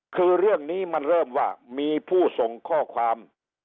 คือเรื่องนี้มันเริ่มว่ามีผู้ส่งข้อความ